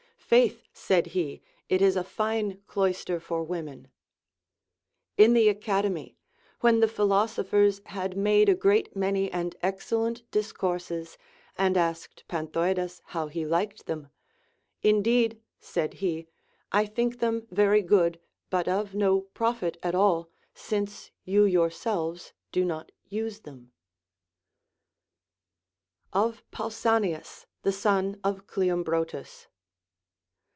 Faith, said he, it is a fine cloister for women. In the Academy, when the phil osophers had made a great many and excellent discourses, and asked Panthoidas how he liked them ; Indeed, said he, I think them very good, but of no profit at all, since you yourselves do not use them. 428 LACONIC APOPHTHEGMS. Of Pausanias the Son of Cleombrotus.